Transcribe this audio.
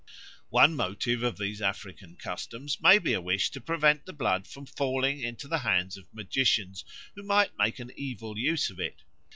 One motive of these African customs may be a wish to prevent the blood from falling into the hands of magicians, who might make an evil use of it.